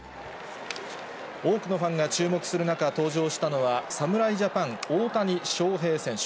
多くのファンが注目する中、登場したのは、侍ジャパン、大谷翔平選手。